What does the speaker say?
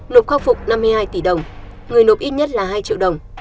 nộp khắc phục năm mươi hai tỷ đồng người nộp ít nhất là hai triệu đồng